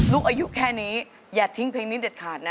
ลูกอายุแค่นี้อย่าทิ้งเพลงนี้เด็ดขาดนะ